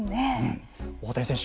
大谷選手